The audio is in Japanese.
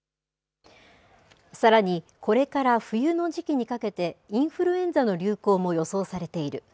さらに、これから冬の時期にかけてインフルエンザの流行も予想されている。